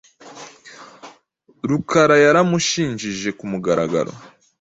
Rukara yaramushinjije kumugaragaro.